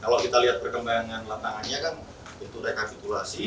kalau kita lihat perkembangan lapangannya kan untuk rekapitulasi